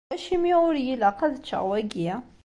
Acimi ur yi-ilaq ara ad ččeɣ wagi?